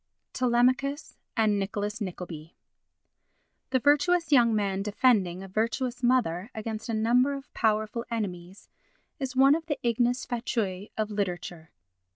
Telemachus and Nicholas Nickleby The virtuous young man defending a virtuous mother against a number of powerful enemies is one of the ignes fatui of literature.